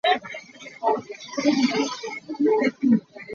Kamlo le Kamthang an i sual.